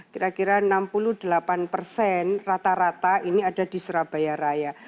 kira kira enam puluh delapan persen rata rata ini ada di surabaya raya